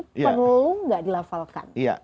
perlu nggak dilafalkan